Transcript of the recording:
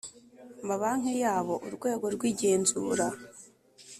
mabanki yabo Urwego rw igenzura